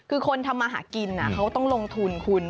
คือคนทำมาหากินเขาต้องลงทุนคุณ